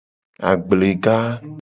Agblega.